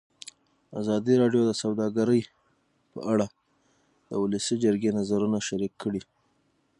ازادي راډیو د سوداګري په اړه د ولسي جرګې نظرونه شریک کړي.